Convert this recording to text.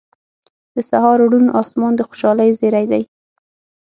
• د سهار روڼ آسمان د خوشحالۍ زیری دی.